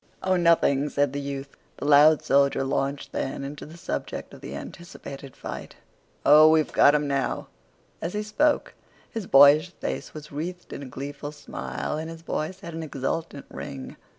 "Oh, nothing," said the youth. The loud soldier launched then into the subject of the anticipated fight. "Oh, we've got 'em now!" As he spoke his boyish face was wreathed in a gleeful smile, and his voice had an exultant ring.